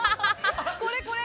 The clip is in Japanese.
これこれ。